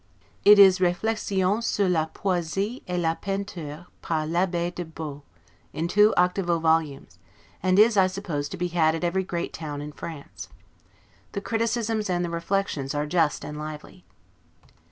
It is 'Reflexions sur la Poesie et la Peinture, par l'Abbee de Bos', in two octavo volumes; and is, I suppose, to be had at every great town in France. The criticisms and the reflections are just and lively.